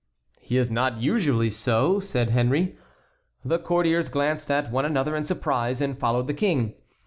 "He is not usually so," said Henry. The courtiers glanced at one another in surprise and followed the King.